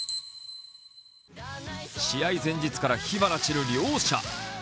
試合前日から火花散る両者。